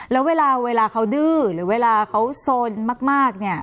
แล้วเวลาเวลาเขาดื้อหรือเวลาเขาโซนมากเนี่ย